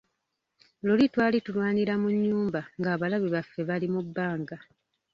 Luli twali tulwanira mu nnyumba ng'abalabe baffe bali mu bbanga.